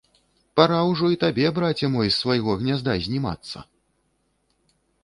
Пара ўжо і табе, браце мой, з свайго гнязда знімацца!